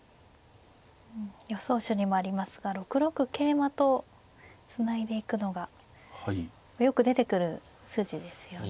予想手にもありますが６六桂馬とつないでいくのがよく出てくる筋ですよね。